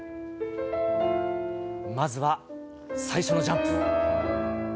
まずは最初のジャンプ。